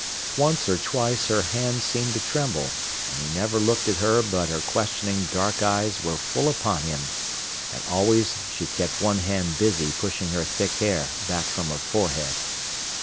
Once or twice her hand seemed to tremble, and he never looked at her but her questioning dark eyes were full upon him, and always she kept one hand busy pushing her thick hair back from her forehead.